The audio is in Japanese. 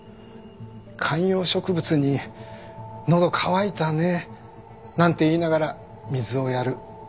観葉植物に「のど渇いたね」なんて言いながら水をやる。